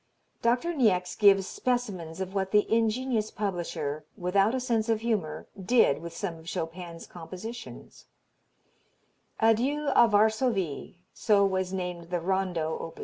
Dr. Niecks gives specimens of what the ingenious publisher, without a sense of humor, did with some of Chopin's compositions: Adieu a Varsovie, so was named the Rondo, op.